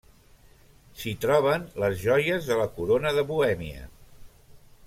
S'hi troben les joies de la corona de Bohèmia.